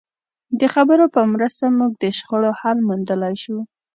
د خبرو په مرسته موږ د شخړو حل موندلای شو.